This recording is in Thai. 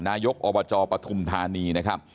นายกอบจปฐุมธานี